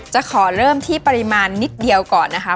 จะขอเริ่มที่ปริมาณนิดเดียวก่อนนะคะ